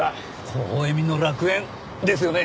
微笑みの楽園。ですよね？